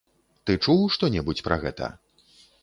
Ты чуў што-небудзь пра гэта?